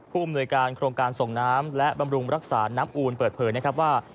ผู้อำนวยการโครงการส่งน้ำและบำรุงรักษาน้ำอูลเปิดเผยนะครับว่า